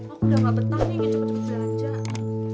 aku sudah tidak betul ingin cepat cepat belanja